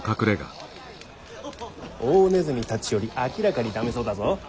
大鼠たちより明らかに駄目そうだぞ？